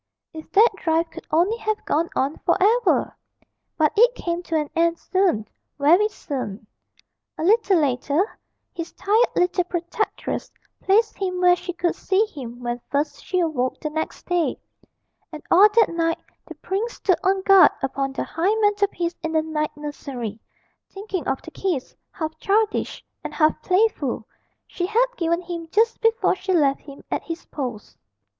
If that drive could only have gone on for ever! but it came to an end soon, very soon. A little later his tired little protectress placed him where she could see him when first she awoke the next day, and all that night the prince stood on guard upon the high mantelpiece in the night nursery, thinking of the kiss, half childish and half playful, she had given him just before she left him at his post.